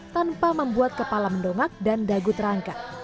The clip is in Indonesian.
tanpa membuat kepala mendongak dan dagu terangkat